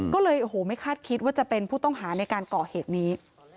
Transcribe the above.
ก็เลยโอ้โหไม่คาดคิดว่าจะเป็นผู้ต้องหาในการก่อเหตุนี้